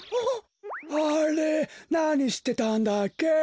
あれなにしてたんだっけ？